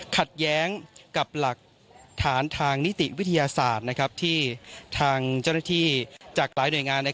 ขัดแย้งกับหลักฐานทางนิติวิทยาศาสตร์ที่ทางเจ้าหน้าที่จากหลายหน่วยงาน